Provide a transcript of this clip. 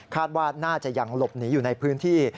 ว่าน่าจะยังหลบหนีอยู่ในพื้นที่